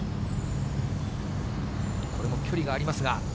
これも距離がありますが。